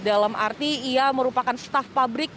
dalam arti ia merupakan staf pabrik